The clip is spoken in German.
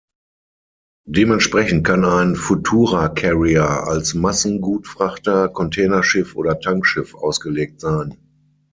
Dementsprechend kann ein Futura Carrier als Massengutfrachter, Containerschiff oder Tankschiff ausgelegt sein.